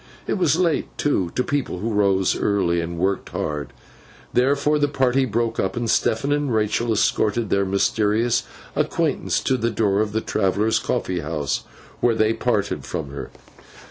It was late too, to people who rose early and worked hard; therefore the party broke up; and Stephen and Rachael escorted their mysterious acquaintance to the door of the Travellers' Coffee House, where they parted from her.